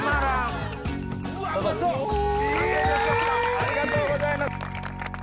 ありがとうございます！